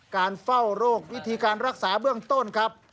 การเฝ้าโรควิธีการรักษาเบื้องต้นครับ